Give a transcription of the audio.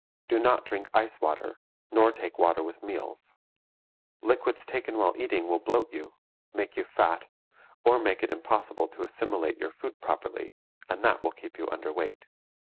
Do not drink ice water, nor take water with meals. Liquids taken while eating will bloat you, make you fat, or make it impossible to assimilate your food properly, and that will keep you underweight.